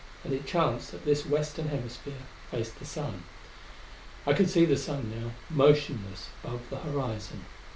And it chanced that this Western Hemisphere faced the sun. I could see the sun now, motionless above the horizon.